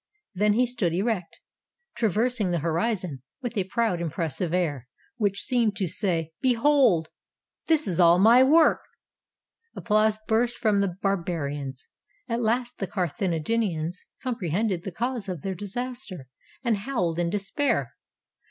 Then he stood erect, traversing the horizon with a proud, impressive air, which seemed to say — "Behold! this is all my work!" Applause burst from the Bar 285 NORTHERN AFRICA barians. At last the Carthaginians comprehended the cause of their disaster, and howled in despair.